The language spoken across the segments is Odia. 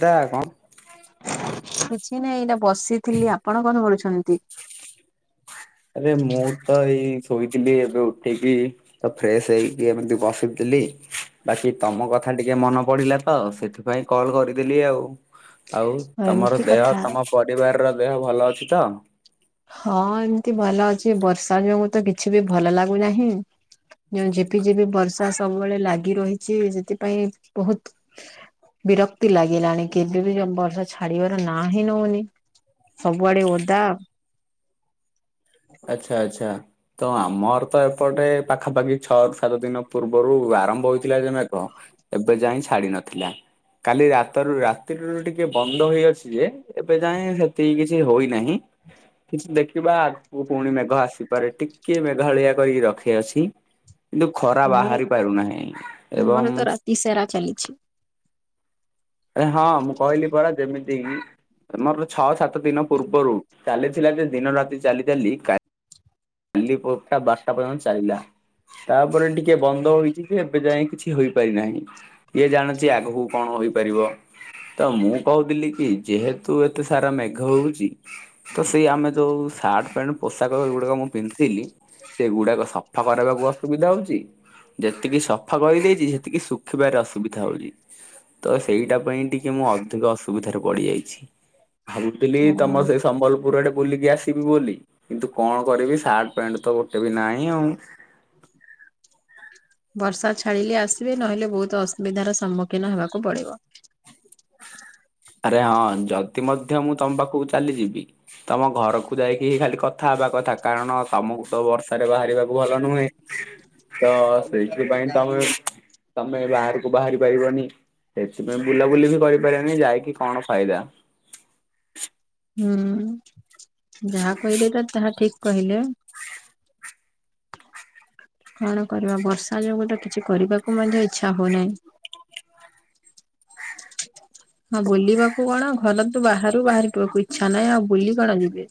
[unintelligible] କଣ? କିଛି ନାଇଁ ଏଇନା ବସିଥିଲି ଆପଣ କଣ କରୁଛନ୍ତି? ଆରେ ମୁଁ ତ ଏଇ ଶୋଇଥିଲି ଏବେ ଉଠିକି ତ ଫ୍ରେଶ୍ ହେଇକି ଏମିତି ବସିଥିଲି ବାକି ତମ କଥା ଟିକେ ମନ ପଡିଲା ତ ସେଥି ପାଇଁ କଲ୍ କରିଦେଲି ଆଉ ଆଉ ତମର ଏମିତି ଦେହ କଥା ତମ ପରିବାରର ଦେହ ଭଲ ଅଛି ତ? ହଁ ଏମତି ଭଲ ଅଛି ବର୍ଷା ଯୋଉଁ ତ କିଛି ବି ଭଲ ଲାଗୁନାହିଁ। ଜେଉଁ ଝିପିଝିପି ବର୍ଷା ସବୁବେଳେ ଲାଗି ରହିଚି ସେଥିପାଇଁ ବହୁତ୍ ବିରକ୍ତି ଲାଗିଲାଣି କେବେବି [unintelligible] ବର୍ଷା ଛାଡିବାର ନାଁ ହିଁ ନଉନି। ସବୁଆଡେ ଓଦା। ଆଚ୍ଛା ଆଚ୍ଛା। ତ ଆମର ତ ଏପଟେ ପାଖାପାଖି ଛଅ [unintelligible] ଦିନ ପୂର୍ବରୁ ଆରମ୍ଭ ହେଇଥିଲା ଯେ ମେଘ ଏବେ ଯାଇ ଛାଡିନଥିଲା କାଲି ରାତରୁ ରାତିରୁ ଟିକେ ବନ୍ଦ ହେଇଅଛି ଯେ ଏବେ ଯାଏଁ ସେତିକି କିଛି ହୋଇନାହିଁ କିଛି ଦେଖିବା [unintelligible] କୁ ପୁଣି ମେଘ ଆସିପାରେ ଟିକେ ମେଘାଳିଆ କରିକି ରଖିଅଛି। କିନ୍ତୁ ଖରା ଆମର ବାହାରି ପାରୁନାହିଁ ଆମର ଏବଂ ତ ରାତି ସାରା ଚାଲିଛି ଏ ହଁ ମୁଁ କହିଲି ପରା ଯେମିତି ଆମର ଛଅ ସାତ ଦିନ ପୂର୍ବରୁ ଚାଲିଥିଲା ଯେ ଦିନ ରାତି ଚାଲି ଚାଲି କା କାଲି ପୋଠା ବାର୍ଷା ପଯ୍ୟନ୍ତ ଚାଲିଲା ତାପରେ ଟିକେ ବନ୍ଧ ହୋଇଛି ଯେ ଏବେ ଯାଇ କିଛି ହୋଇପାରି ନାହିଁ। କିଏ ଜାଣିଛି ଆଗକୁ କଣ ହୋଇପାରିବ? ତ ମୁଁ କହୁଥିଲି କି ଯେହେତୁ ଏତେ ସାରା ମେଘ ହଉଛି ତ ସେଇ ଆମେ ଯୋଉ ସାଟ ପୋଷାକ ଗୁଡାକ ମୁଁ ପିନ୍ଧିଥିଲି ସେ ଗୁଡାକ ସଫା କରବାକୁ ଅସୁବିଧା ହଉଛି ଯେତିକି ସଫା କରିଦେଇଛି ସେତିକି ଶୁଖିବାରେ ଅସୁବିଧା ହଉଛି। ତ ସେଇଟା ପାଇଁ ଟିକେ ମୁଁ ଅଧିକ ଅସୁବିଧାରେ ପଡିଯାଇଛି। ଭାବୁଥିଲି ହଁ। ତମ ସେ ସମ୍ବଲପୁର ଆଡେ ବୁଲିକି ଆସିବି ବୋଲି କିନ୍ତୁ କଣ କରିବି ସାର୍ଟ ପ୍ୟାଣ୍ଟ ତ ଗୋଟେ ବି ନାହିଁ ଆଉ। ବର୍ଷା ଛାଡିଲେ ଆସିବେ ନହେଲେ ବହୁତ ଅସୁବିଧାର ସମ୍ମୁଖୀନ ହେବାକୁ ପଡିବ। ଆରେ ହଁ ଯଦି ମଧ୍ୟ ମୁଁ ତମ ପାଖକୁ ଚାଲିଯିବି ତମ ଘରକୁ ଯାଇକି ହି ଖାଲି କଥା ହେବା କଥା କାରଣ ତମକୁ ତ ବର୍ଷାରେ ବାହାରିବାକୁ ଭଲ ନୁହେଁ। ତ ସେଇଥିପାଇଁ ତମେ ତମେ ବାହାରକୁ ବାହାରି ପାରିବନି। ସେଥିପାଇଁ ବୁଲାବୁଲି ବି କରିପାରନି ଯାଇକି କଣ ଫାଇଦା? ହୁଁ ଯାହା କହିଲେ ତ ତାହା ଠିକ କହିଲେ କଣ କରିବା ବର୍ଷା ଯୋଗୁ ତ କିଛି କରିବାକୁ ମଧ୍ୟ ଇଛା ହଉନାହିଁ। [inaudible] ହଁ ବୁଲିବାକୁ କଣ ଘର ତୁ ବାହାରୁ ବାହାରିିବାକୁ ଇଚ୍ଛା ନାହିଁ ଆଉ ବୁଲି କଣ ଯିବେ?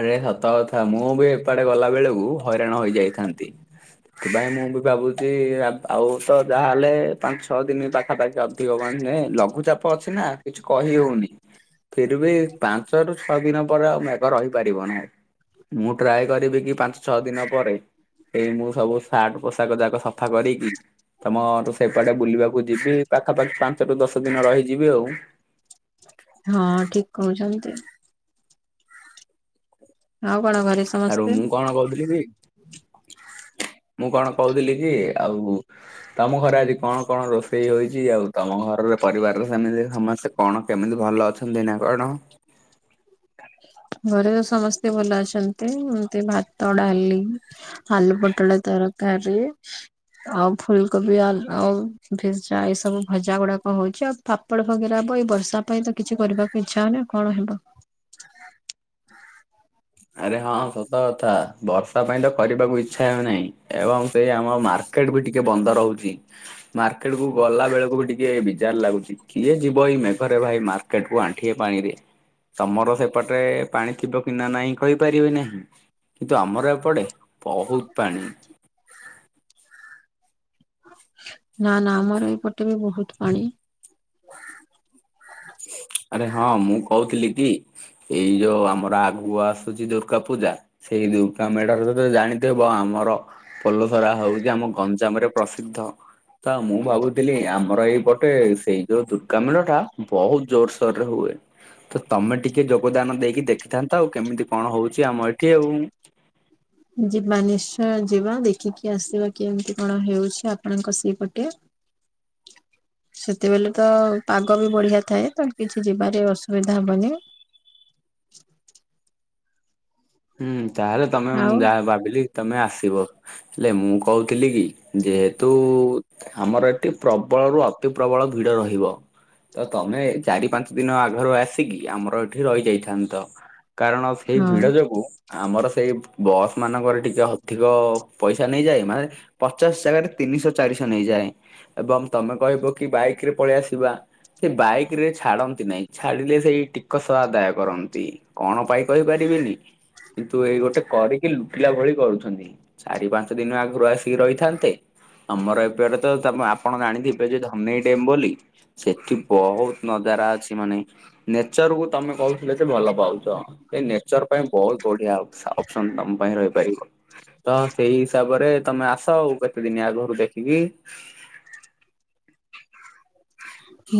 ଆରେ ସତ କଥା ମୁଁ ବି ଏପଟେ ଗଲା ବେଳକୁ ହଇରାଣ ହେଇଯାଇଥାନ୍ତି। ସେଥିପାଇଁ ମୁଁ ବି ଭାବୁଛି ଆଉ ଆଉତ ଯାହାହଲେ ପାଞ୍ଚ ଛଅ ଦିନ ପାଖା ପାାଖି ମାନେ ଲଘୁଚାପ ଅଛି ନା କିଛି କହି ହଉନି। ଫିର ବି ପାଞ୍ଚ ରୁ ଛଅ ଦିନ ପରେ ଆଉ ମେଘ ରହିପାରିବ ନାହି। ମୁଁ ଟ୍ରାଏ କରିବି କି ପାଞ୍ଚ ଛଅ ଦିନ ପରେ? ଏଇ ମୁଁ ସବୁ ସାର୍ଟ ପୋଷାକ ଯାକ ସଫା କରିକି ତମ ସେପଟେ ବୁଲିବାକୁ ଯିବି ପାଖାପାଖି ପାଞ୍ଚଟୁ ଦଶ ଦିନ ରହିଯିବି ଆଉ। ହଁ ଠିକ କହୁଛନ୍ତି। ଆଉ କଣ ଘରେ ଆରୁ ସମସ୍ତେ ମୁଁ କଣ କହୁଥିଲି କି? ମୁଁ କଣ କହୁଥିଲି କି ଆଉ ତମ ଘରେ ଆଜି କଣ କଣ ରୋଷେଇ ହୋଉଛି ଆଉ ତମ ଘରରେ ପରିବାର ସେିମିତି ସମସ୍ତେ କଣ କେମିତି ଭଲ ଅଛନ୍ତି ନା କଣ? ଘରେ ସମସ୍ତେ ଭଲ ଅଛନ୍ତି। ଏମତି ଭାତ, ଡାଲି, ଆଲୁ ପୋଟଳ ତର [unintelligible] ଆଉ ଫୁଲକୋବି ଆ ଆଉ ଭିଜା ଏଇ ସବୁ ଭଜା ଗୁଡାକ ହଉଛି ଆଉ ପାପଡ ଫଗିରା ହବ ଏଇ ବର୍ଷା ପାଇଁ ତ କିଛି କରିବାକୁ ଇଚ୍ଛା ହଉନି ଆଉ କଣ ହେବ। ଆରେ ହଁ ସତ କଥା ବର୍ଷା ପାଇଁ ତ କରିବାକୁ ଇଚ୍ଛା ହେଉନାଇଁ। ଏବଂ ସେଇ ଆମ ମାର୍କେଟ ବି ଟିକେ ବନ୍ଦ ରହୁଚି। ମାର୍କେଟକୁ ଗଲା ବେଳକୁ ବି ଟିକେ ବିଜାର ଲାଗୁଚି କିଏ ଯିବ ଏଇ ମେଘରେ ଭାଇ ମାର୍କ। କେଟକୁ ଆଣ୍ଠିଏ ପାଣିରେ ତମର ସେପଟେ ପାଣି ଥିବ କି ନା ନାଇଁ। କହିପାରିବି ନାହିଁ କିନ୍ତୁ ଆମର ଏପଟେ ବହୁତ ପାଣି। ନା ନା ଆମର ଏପଟେ ବି ବୋହୁତ ପାଣି। ଆରେ ହଁ ମୁଁ କଉଥିଲି କି। ଏଇ ଯୋଉ ଆମର ଆଗୁକୁ ଆସୁଚି ଦୁର୍କା ପୂଜା। ସେଇ ଦୁର୍ଗାମେଢରର ତ ଜାଣିଥିବ ବ ଆମର ପୋଲସରା ହଉଚି ଆମ ଗଞ୍ଜାମରେ ପ୍ରସିଦ୍ଧ ତ ମୁଁ ଭାବୁଥିଲି ଆମର ଏଇପଟେ ସେଇ ଯୋଉ ଦୁର୍ଗା ମେଢଟା ବହୁତ ଜୋରସୋରରେ ହୁଏ। ତ ତମେ ଟିକେ ଯୋଗଦାନ ଦେଇକି ଦେଖିଥାନ୍ତ ଆଉ କେମିତି କଣ ହଉଚି ଆମ ଏଠି ଆଉ ଯିବା ନିଶ୍ଚୟ ଯିବା ଦେଖିକି ଆସିବା କେମତି କଣ ହେଉଚି ଆପଣଙ୍କ ସେଇପଟେ [inaudible] ସେତେବେଲେ ତ ପାଗ ବି ବଢିଆ ଥାଏ ତ କିଛି ଯିବାରେ ଅସୁବିଧା ହବନି ହୁଁ ତାହେଲେ ତମେ ଉଁ ଆଉ ଯାହା ଭାବିଲି ତମେ ଆସିବ ହେଲେ ମୁଁ କଉଥିଲି କି ଯେହେତୁ ଆମର ଏଟି ପ୍ରବଳରୁୁ ଅତି ପ୍ରବଳ ଭିଡ ରହିବ ତ ତମେ ଚାରି ପାଞ୍ଚ ଦିନ ଆଘରୁ ଆସିକି ଆମର ଏଠି ରହିଯାଇଥାନ୍ତ କାରଣ ସ୍ ଥେଇ ହଁ ଭିଡ ଯୋଗୁଁ ଆମର ସେଇ ବସମାନଙ୍କରେ ଟିକେ ଅଧିକ ପଇସା ନେଇଯାଏ ମାନେ ପଚାଶ ଜାଗାରେ ତିନିଶ ଚାରିଶ ନେଇଯାଏ ଏବଂ ତମେ କହିବ କି ବାଇକରେ ପଳେଇ ଆସିବା କି ବାଇକରେ ଛାଡନ୍ତି ନାହିଁ ଛାଡିଲେ ସେଇ ଟିକସ ଆଦାୟ କରନ୍ତି କଣ ପାଇ କହିପାରିବିନି କିନ୍ତୁ ଏଇ ଗୋଟେ କରିକି ଲୁଟିଲା ଭଳି କରୁଛନ୍ତି ଚାରି ପାଞ୍ଚ ଦିନ ଆଗୁରୁ ଆସିକି ରହିଥାନ୍ତେ ଆମର ଏପେଟେ ତ ତମେ ଆପଣ ଜାଣିଥିବେ ଯେ ଧନେଇ ଡେମ୍ ବୋଲି ସେଠି ବହୁତ ନଜାରା ଅଛି ମାନେ ନେଚରକୁ ତମେ କହୁଥିଲ ଯେ ଭଲ ପାଉଚ ଏ ନେଚର ପାଇଁ ବୋହୁତ ବଢିଆ ଅପସ୍ ଅପସନ୍ ତମ ପାଇଁ ରହିପାରିବ ତ ସେଇ ହିସାବରେ ତମେ ଆସ ଆଉ କେତେଦିନି ଆଗରୁ ଦେଖିକି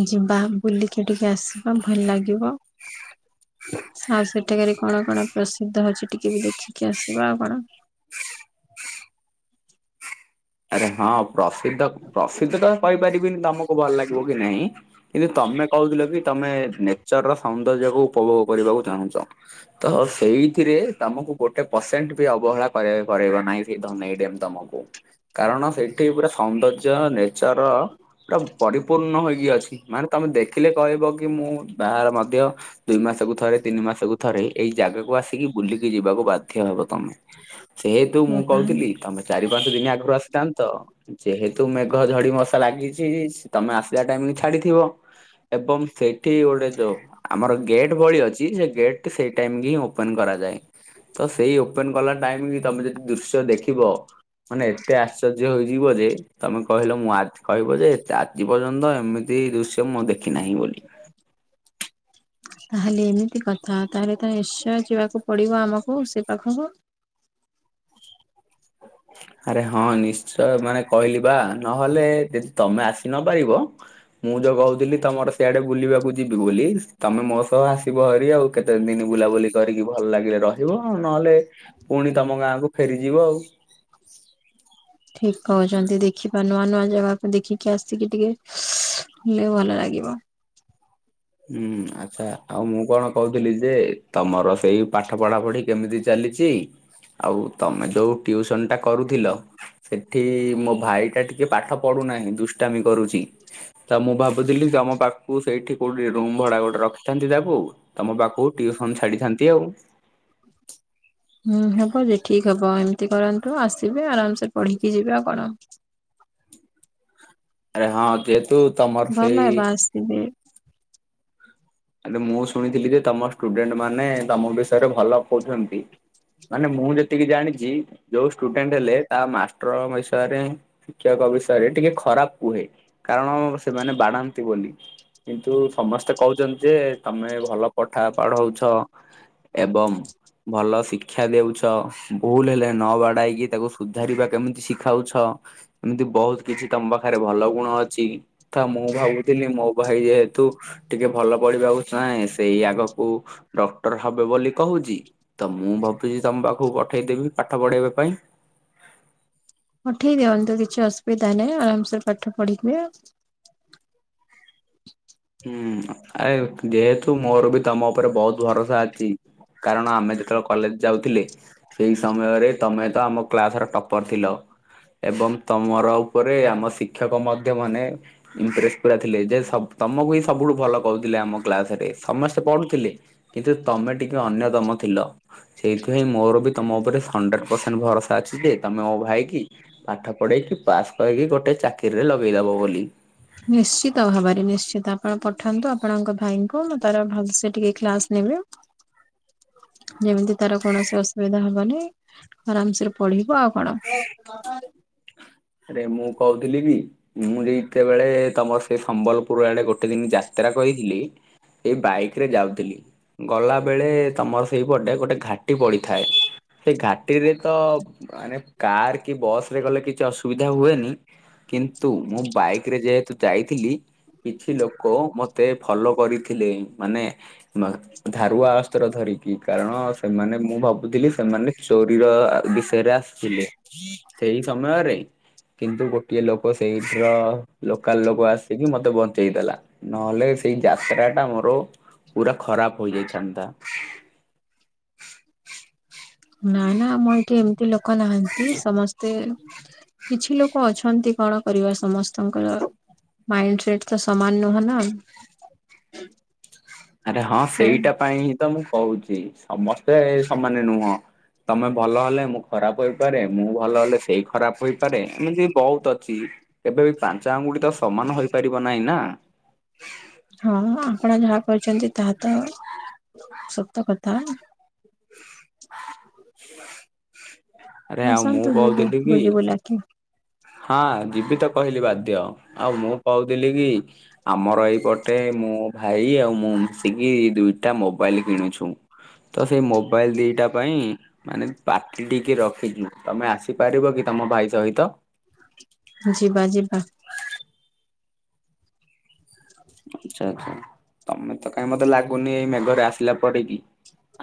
ଯିବା ବୁଲିକି ଟିକେ ଆସିବା ଭଲ ଲାଗିବ [inaudible] ସଉ ସେଠାକାରେ କଣ କଣ ପ୍ରସିଦ୍ଧ ଅଛି ଟିକେ ବି ଦେଖିକି ଆସିବା ଆଉ କଣ ଆରେ ହଁ ପ୍ ପ୍ରସିଦ୍ଧ ପ୍ରସିଦ୍ଧ ତ କହିପାରିବିନି ତମୁକୁ ଭଲ ଲାଗିବ କି ନାଇଁ କିନ୍ତୁ ତମେ କଉଥିଲ କି ତମେ ନେଚରର ସୌନ୍ଦର୍ଯ୍ୟକୁୁ ଉପଭୋଗ କରିବାକୁ ଚାହୁଁଚ ତ ସେଇଥିରେ ତମକୁ ଗୋଟେ ପସେଣ୍ଟ ବି ଅବହେଳା କରେଇ କରେଇବ ନାହି ଠିି ଧନେଇ ଡେମ୍ ତମକୁ କାରଣ ସେଠି ପୁରା ସୌନ୍ଦର୍ଯ୍ୟ ର ନେଚର ପୁରା ପରିପୂର୍ଣ ହୋଇକି ଅଛି ମାନେ ତମେ ଦେଖିଲେ କହିବ କି ମୁଁ ବାହାରେ ମଧ୍ୟ ଦୁଇ ମାସକୁ ଥରେ ତିନି ମାସକୁ ଥରେ ଏଇ ଜାଗାକୁ ଆସିକି ବୁଲିକି ଯିବାକୁ ବାଧ୍ୟ ହବ ତମେ ଯେହେତୁ ମୁଁ ହଉ ତାହେଲେ କଉଥିଲି ତମେ ଚାରି ପାଞ୍ଚ ଦିନି ଆଗୁରୁ ଆସିତାନ୍ତ ଯେହେତୁ ମେଘ ଝଡି ମଶା ଲାଗିଚି ଛି ତମେ ଆସିଲା ଟାଇମିକି ଛାଡିଥିବ ଏବଂ ସେଠି ଗୋଟେ ଯୋଉ ଆମର ଗେଟ୍ ଭଳି ଅଛି ସେ ଗେଟଟି ସେଇ ଟାଇମକି ହିଁ ଓପେନ୍ କରାଯାଏ ତ ସେଇ ଓପେନ୍ କଲା ଟାଇମକି ବି ତମେ ଯଦି ଦୃଶ୍ୟ ଦେଖିବ ମାନେ ଏତେ ଆଶ୍ଚର୍ଯ୍ୟ ହୋଇଯିବ ଯେ ତମେ କହିଲ ମୁଁ ଆଦ୍ କହିବ ଯେ ଏତେ ଆଜି ପର୍ଯ୍ୟନ୍ତ ଏମି ତି ଦୁଶ୍ୟ ମୁଁ ଦେଖି ନାହିଁ ବୋଲି [inaudible] ତାହେଲେ ଏମିତି କଥା ତାହେଲେ ତ ନିଶ୍ଚୟ ଯିବାକୁ ପଡିବ ଆମକୁ ସେ ପାଖକୁ ଆରେ ହଁ ନିଶ୍ଚୟ ମାନେ କହିଲି ବା ନହେଲେ ଯଦି ତମେ ଆସି ନ ପାରିବ ମୁଁ ଯୋଉ କହୁଥିଲି ତମର ସେଆଡେ ବୁଲିବାକୁ ଯିବି ବୋଲି ତମେ ମୋ ସହ ଆସିବ ହରି ଆଉ କେତେ ଦିନ ବୁଲାବୁଲି କରିକି ଭଲ ଲାଗିଲେ ରହିବ ନହେଲେ ପୁଣି ତମ ଗାଁକୁ ଫେରିଯିବ ଆଉ ଠିକ କହୁଛନ୍ତି ଦେଖିବା ନୂଆ ନୂଆ ଜାଗାକୁ ଦେଖିକି ଆସିକି ଟିକେଲେ ଭଲ ଲାଗିବ। ହୁଁ ଆଚ୍ଛା ଆଉ ମୁଁ କଣ କହୁଥିଲି ଯେ ତମର ସେଇ ପାଠ ପଢା ପଢି କେମିତି ଚାଲିଛି ଆଉ ତମେ ଯୋଉ ଉସନ ଟା କରୁଥିଲ। ସେଠି ମୋ ଭାଇ ଟା ଟିକେ ପାଠ ପଢୁନାହିଁ ଦୁଷ୍ଟାମି କରୁଛି। ତା ମୁଁ ଭାବୁଥିଲି ଯେ ଆମ ପାଖକୁ ସେଇଠି କୋଉଠି ରୁମ ଭଡା ଗୋଟେ ରଖିଥାନ୍ତି ତାକୁ ତମ ପାଖକୁ ଟିଉସନ ଛାଡିଥାନ୍ତି ଆଉ। ହୁଁ ହବ ଯେ ଠିକ ହବ ଏମିତି କରନ୍ତୁ ଆସିବେ ଆରାମସ ପଢିକି ଯିବେ ଆଉ କଣ। ଆରେ ହଁ କେ ତୁ ଭଲ ହେବା ଆସିବେ। ଆରେ ମୁଁ ଶୁଣିଥିଲି ଯେ ତମ ଷ୍ଟୁଡେଣ୍ଟ ମାନେ ତମ ବିଷୟରେ ଭଲ କହୁଛନ୍ତି। ମାନେ ମୁଁ ଯେତିକି ଜାଣିଛି ଯୋଉ ଷ୍ଟୁଡେଣ୍ଟ ହେଲେ ତା ମାଷ୍ଟର ବିଷୟରେ ଶିକ୍ଷକ ବିଷୟରେ ଟିକେ ଖରାପ କୁହେ କାରଣ ସେମାନେ ବାଡ଼ାନ୍ତି ବୋଲି। କିନ୍ତୁ ସମସ୍ତେ କହୁଛନ୍ତି ଯେ ତମେ ଭଲ ପାଠ ପଢଉଛ। ଏବଂ ଭଲ ଶିକ୍ଷା ଦଉଛ ଭୁଲ ହେଲେ ନ ବାଡାଇକି ତାକୁ ସୁଧାରିବା କେମିତି ଶିଖାଉଛ। ଏମତି ବହୁତ କିଛି ତମ ପାଖରେ ଭଲ ଗୁଣ ଅଛି। ମୁଁ ଭାବୁଥିଲି ମୋ ଭାଇ ଯେହେତୁ ଟିକେ ଭଲ ପଢିବାକୁ ଚାହେଁ ସେଇ ଆଗକୁ ଡକ୍ଟର ହବ ବୋଲି କହୁଛି। ତ ମୁଁ ଭାବୁଛି ତମ ପାଖକୁ ପଠେଇଦେବି ପାଠ ପଢେଇବା ପାଇଁ ହଁ ଠିକ ଦିଅନ୍ତୁ କିଛି ଅସୁବିଧା ନାହିଁ ଆରାମସେ ପାଠ ପଢିିବି ଆଉ ହୁଁ ଆରେ ଯେହେତୁ ମୋର ବି ତମ ଉପରେ ବହୁତ ଭରସା ଅଛି। କାରଣ ଆମେ ଯେତେବେଳେ କଲେଜ ଯାଉଥିଲେ। ସେଇ ସମୟରେ ତମେ ତ ଆମ କ୍ଲାସ ର ଟପର ଥିଲା। ଏବଂ ତମର ଉପରେ ଆମ ଶିକ୍ଷକ ମଧ୍ୟ ମାନେ ଇମ୍ପ୍ରେସ ପୁରା ଥିଲେ ଯେ ତମକୁ ହିଁ ସବୁଠୁ ଭଲ କହୁଥିଲେ ଆମ କ୍ଲାସ ରେ ସମସ୍ତେ ପଢୁଥିଲେ। କିନ୍ତୁ ତମେ ଟିକେ ଅନ୍ୟତମ ଥିଲା। ସେଇଥିପାଇଁ ମୋର ବି ତମ ଉପରେ ହଣ୍ଡ୍ରେଡ ପରସେଣ୍ଟ ଭରସା ଅଛି ଯେ ତମେ ମୋ ଭାଇ କି ପାଠ ପଢେଇକି ପାସ୍ କରକି ଗୋଟେ ଚାକିରିରେ ଲଗେଇଦବ ବୋଲି। ନିଶ୍ଚିତ ଭାବରେ ନିଶ୍ଚିତ ଆପଣ ପଠନ୍ତୁ ଆପଣଙ୍କ ଭାଇଙ୍କୁ ମୁଁ ତାର ଭଲସେ ଟିକେ କ୍ଲାସ ନେବି। ହ ଯେମିତି ତାର କୌଣସି ଅସୁବିଧା ହବନି। ଆରାମସରେ ପଢିବ ଆଉ କଣ? ଆରେ ମୁଁ କହୁଥିଲି କି? ମୁଁ ଯେତେବେଳେ ତମର ସେ ସମ୍ବଲପୁର ଆଡେ ଗୋଟେ ଦିନ ଯାତ୍ରା କହିଥିଲି। ଏ ବାଇକ ରେ ଯାଉଥିଲି। ଗଲା ବେଳେ ତମର ସେଇପଟେ ଗୋଟେ ଘାଟି ପଡିଥାଏ। ସେ ଘାଟିରେ ତ ମାନେ କାର କି ବସ ରେ ଗଲେ କିଛି ଅସୁବିଧା ହୁଏନି। କିନ୍ତୁ ମୁଁ ବାଇକରେ ଯେହେତୁ ଯାଇଥିଲି। କିଛି ଲୋକ ମତେ ଫଲୋ କରିଥିଲେ ମାନେ ଧାରୁଆ ଅସ୍ତ୍ର ଧରିକି କାରଣ ସେମାନେ ମୁଁ ଭାବୁଥିଲି ସେମାନେ ଚୋରିର ବିଷୟରେ ଥିଲେ ସେଇ ସମୟରେ କିନ୍ତୁ ଗୋଟିଏ ଲୋକ ସେଇଠୀର ଲୋକାଲ ଲୋକ ଆସିକି ମତେ ବଞ୍ଚେଇ ଦେଲା। ନହେଲେ ସେଇ ଯାତ୍ରା ଟା ମୋର ପୁରା ଖରାପ ହେଇଯାଇଥାନ୍ତା। ନାାଇ ନା ମୁଁ ଏଠି ଏମିତି ଲୋକ ନାହାନ୍ତି ସମସ୍ତେ କିଛି ଲୋକ ଅଛନ୍ତି, କଣ କରିବା ସମସ୍ତଙ୍କର? ମାଇଣ୍ଡ ସେଟ୍ ତ ସାମାନ ନୁହଁ ନା। ଆରେ ହଁ, ତ ସେଇଟା ପାଇଁ ହିଁ ତ ମୁଁ କହୁଛି ସମସ୍ତେ ସମାନେ ନୁହଁ। ତମେ ଭଲ ହେଲେ ମୁଁ ଖରାପ ହେଇପାରେ, ମୁଁ ଭଲ ହେଲେ ସେଇ ଖରାପ ହେଇପାରେ, ଏମିତି ବହୁତ ଅଛି। କେବେ ବି ପାଞ୍ଚ ଆଙ୍ଗୁଠି ତ ସମାନ ହେଇପାରିବ ନାହିଁ ନା। ହଁ, ଆପଣ ଯାହା କହିଛନ୍ତି ତାହା ତ ସତ କଥା। ଆରେ ଆଉ ମୁଁ କହୁଥିଲି କି ଆଜ୍ଞା। ହଁ, ଯିବି ତ କହିଲି ବାଧ୍ୟ, ଆଉ ମୁଁ କହୁଥିଲି କି ଆମର ଏଇପଟେ ମୋ ଭାଇ ଆଉ ମୁଁ ମିଶିକି ଦୁଇଟା ମୋବାଇଲ କିଣୁଛୁ। ତ ସେଇ ମୋବାଇଲ ଦିଇଟା ପାଇଁ ମାନେ ପାଟି ଟିକେ ରଖିଛୁ, ତମେ ଆସିପାରିବ କି ତମ ଭାଇ ସହିତ? ଯିବା ଯିବା। ଆଚ୍ଛା, ଆଚ୍ଛା, ତମେ ତ କାହିଁ ମତେ ଲାଗୁନି ଏଇ ମେଘରେ ଆସିଲା ପରିକି।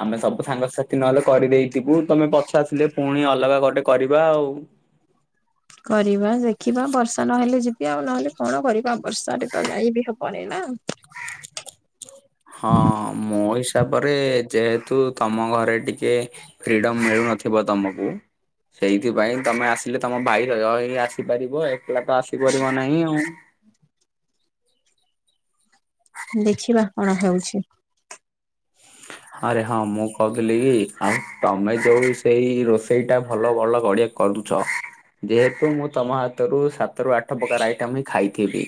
ଆମେ ସବୁ ସାଙ୍ଗସାଥି ନହେଲେ କରିଦେଇଥିବୁ ତମେ ପଛେ ଆସିଲେ ପୁଣି ଅଲଗା ଗୋଟେ କରିବା ଆଉ। କରିବା ଦେଖିବା ବର୍ଷା ନହେଲେ ଯିବି ଆଉ ନହେଲେ କଣ କରିବା ବର୍ଷା ତ ଯାଇବି ହବନି ନା। ହଁ, ମୋ ହିସାବରେ ଯେହେତୁ ତମ ଘରେ ଟି କେ ଫ୍ରିଡମ୍ ମିଳୁନଥିବ ତମକୁ। ସେଇଥିପାଇଁ ତମେ ଆସିଲେ ତମ ଭାଇର [inaudible] ଆସିପାରିବ, ଏକଲା ତ ଆସିପାରିବ ନାହିଁ ଆଉ। ଦେଖିବା କଣ ହେଉଛି। ହ ହଁ ରେ ହଁ, ମୁଁ କହୁଥିଲି କି ଆଉ ତମେ ଯୋଉ ସେଇ ରୋଷେଇ ଟା ଭଲ ଭଲ ବଢିଆ କରୁଛ ଯେହେତୁ ମୁଁ ତମ ହାତରୁ ସାତ ରୁ ଆଠ ପ୍ରକାର ଆଇଟମ୍ ହିଁ ଖାଇିଥିବି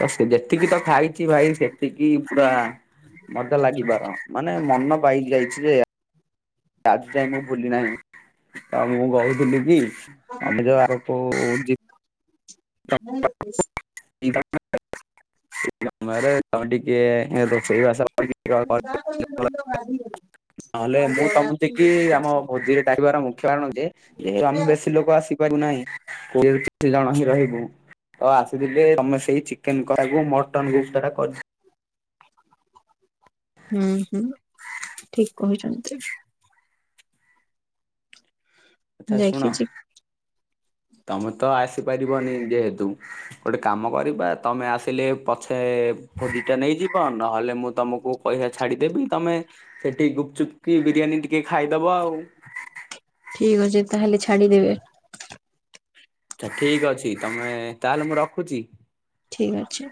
ତ ସେ ଯେତିକି ତ ଖାଇଛି ଭାଇ ସେତିକି ପୁରା ମଜା ଲାଗିବାର। ମାନେ ମନ ପାଇ ଯାଇଛି ଯେ ଆଜି ଯାଇ ମୁଁ ଭୁଲି ନାହିଁ, ତ ମୁଁ କହୁଥିଲି କି ଆମେ ଯୋଉ ଆଉ ଉ ଯେ [unintelligible] [unintelligible] ତମେ ଟିକେ ରୋଷେଇ ବାସ [unintelligible] ନହେଲେ ମୁଁ ତମତିକି ଆମ ଭୋଜିରେ ଡାକିବାର ମୁ ଖ୍ୟ କାରଣ ଯେ ଯେହେତୁ ଆମେ ବେଶୀ ଲୋକ ଆସିପାରୁି ନାହିଁ କୋଡିଏ ରୁ ତିରିଶ ଜଣ ହିଁ ରହିବୁ ତ ଆ ଯିବେ ତମେ ସେଇ ଚିକେନ କସାକୁ ମଟନ୍ ଗୁପ୍ତା ଟା କରି ହୁଁ, ହୁଁ, ଠିକ୍ କହୁଛନ୍ତି। କଥା ଶୁଣ ଯାଇକି ତମେ ତ ଆସିପାରିବନି ଯେହେତୁ ଗୋଟେ କାମ କରିବା ତମେ ଆସିଲେ ପଛେ କୋବିଟା ନେଇଯିବ, ନହେଲେ ମୁଁ ତମକୁ ପଇସା ଛାଡିଦେବି ତମେ ସେଠି ଗୁପଚୁପ୍ କି ବିରିୟାନୀ ଟିକେ ଖାଇଦବ ଆଉ। ଠିକ୍ ଅଛି ତାହେଲେ ଛାଡିଦେବେ। ଆଚ୍ଛା, ଠିକ୍ ଅଛି ତମେ ତାହେଲେ ମୁଁ ରଖୁଛି। ଠିକ୍ ଅଛି।